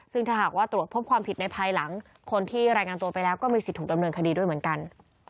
ซึ่งถ้าหากว่าตรวจพบความผิดในภายหลังคนที่รายงานตัวไปแล้วก็มีสิทธิ์ถูกดำเนินคดีด้วยเหมือนกัน